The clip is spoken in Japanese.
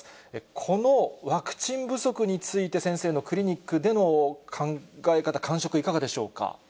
このワクチン不足について、先生のクリニックでの考え方、感触、いかがでしょうか。